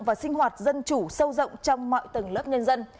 và sinh hoạt dân chủ sâu rộng trong mọi tầng lớp nhân dân